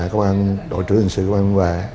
công an đội trưởng hình sự công an biên hòa